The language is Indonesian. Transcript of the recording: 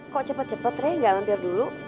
kok cepet cepet re nggak lam biar dulu